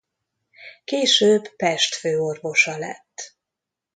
Később Pest főorvosa lett.